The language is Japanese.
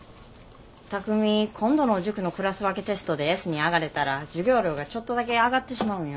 巧海今度の塾のクラス分けテストでＳに上がれたら授業料がちょっとだけ上がってしまうんよ。